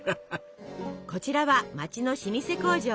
こちらは町の老舗工場。